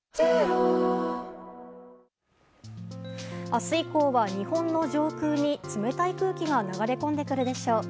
明日以降は、日本の上空に冷たい空気が流れ込んでくるでしょう。